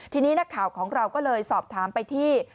ทีนี้นักข่าวของเราก็เลยสอบถามไปที่